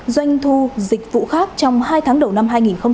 doanh thu dịch vụ khác trong hai tháng đầu năm hai nghìn hai mươi